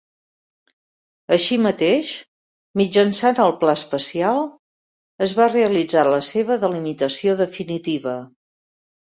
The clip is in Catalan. Així mateix, mitjançant el Pla especial, es va realitzar la seva delimitació definitiva.